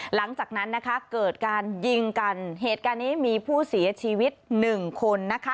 หลังจากนั้นนะคะเกิดการยิงกันเหตุการณ์นี้มีผู้เสียชีวิตหนึ่งคนนะคะ